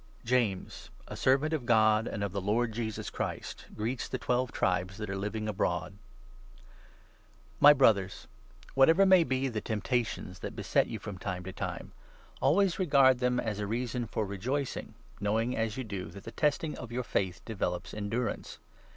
JAMES, a Servant of God and of the Lord Jesus Christ, i 1 greets The Twelve Tribes that are living abroad. II. — ADVICE UPON VARIOUS SUBJECTS. Trials. ^fy Brothers, whatever may be the temptations 2 that beset you from time to time, always regard them as a reason for rejoicing, knowing, as you do, that the 3 testing of your faith develops endurance.